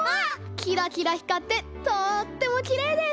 きらきらひかってとってもきれいです。